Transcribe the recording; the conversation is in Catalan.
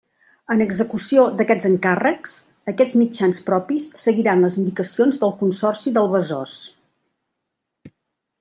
En execució d'aquests encàrrecs, aquests mitjans propis seguiran les indicacions del Consorci del Besòs.